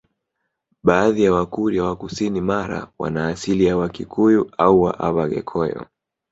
Baadhi ya Wakurya wa kusini Mara wana asili ya Wakikuyu au Abhaghekoyo